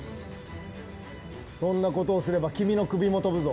こんなことをすれば君の首も飛ぶぞ。